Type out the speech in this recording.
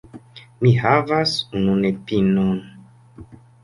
Mi havas unu nepinon.